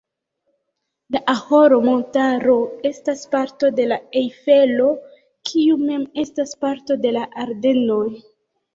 La Ahr-montaro estas parto de la Ejfelo, kiu mem estas parto de la Ardenoj.